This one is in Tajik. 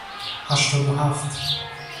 Ҳаштоду ҳафт